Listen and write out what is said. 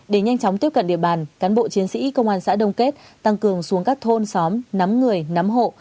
để nhanh chóng tiếp cận địa bàn cán bộ chiến sĩ công an xã đông kết tăng cường xuống các thôn xóm nắm người nắm hộ